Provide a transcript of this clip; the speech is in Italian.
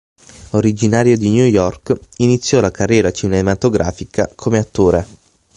Originario di New York, iniziò la carriera cinematografica come attore.